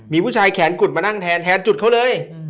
มีผู้ชายแขนกุดมานั่งแทนแทนจุดเขาเลย